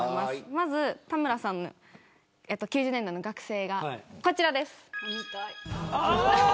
まず田村さんの９０年代の学生がこちらです。